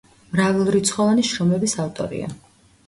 მრავალრიცხოვანი შრომების ავტორია.